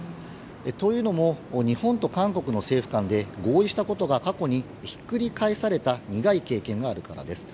というのも日本と韓国の政府間で合意したことが過去にひっくり返された苦い経験があるからです。